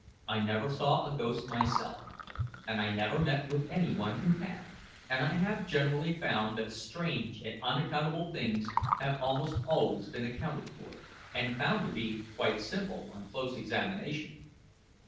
"I never saw a ghost myself, and I never met with any one who had; and I have generally found that strange and unaccountable things have almost always been accounted for, and found to be quite simple, on close examination.